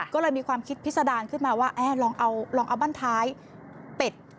ก็เลยมีความคิดพิษดารขึ้นมาว่าลองเอาบ้านท้ายเป็ด